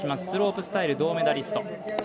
スロープスタイル銅メダリスト。